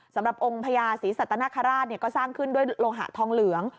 สำหรับองค์พญาศรีสัตนคราชก็สร้างขึ้นด้วยโลหะทองเหลือง